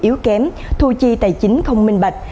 yếu kém thu chi tài chính không minh bạch